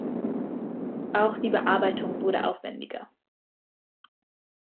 Auch die Bearbeitung wurde aufwendiger.